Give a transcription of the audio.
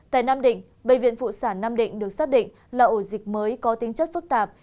tại nam định bệnh viện phụ sản nam định được xác định là ổ dịch mới có tính chất phức tạp